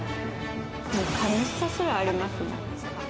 悲しさすら、ありますね。